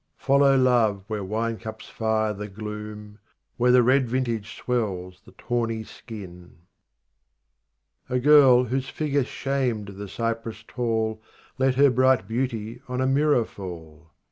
follow Love where wine cups fire the gloom, Where the red vintage swells the tawny skin. 43 A girl whose figure shamed the cypress tall Let her bright beauty on a mirror fall.